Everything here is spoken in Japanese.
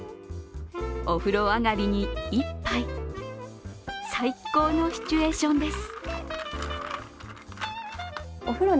お風呂上がりに一杯、最高のシチュエーションです。